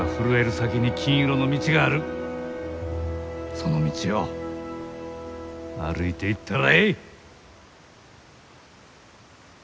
その道を歩いていったらえい！